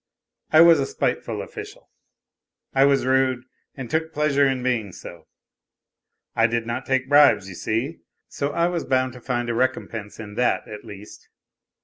I was a spiteful official. I was rude and took pleasure in being so. I did not take bribes, you see, so I was bound to find a recompense in that, at least.